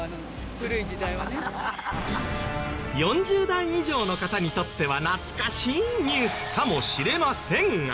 ４０代以上の方にとっては懐かしいニュースかもしれませんが。